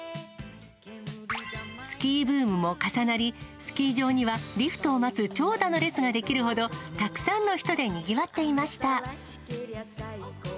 スキーブームも重なり、スキー場にはリフトを待つ長蛇の列が出来るほど、たくさんの人でにぎわっていました。